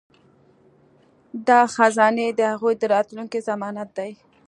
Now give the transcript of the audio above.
دا خزانې د هغوی د راتلونکي ضمانت دي.